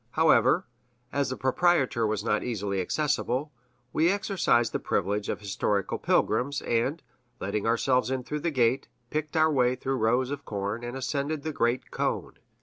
However, as the proprietor was not easily accessible, we exercised the privilege of historical pilgrims, and, letting ourselves in through the gate, picked our way through rows of corn, and ascended the great cone.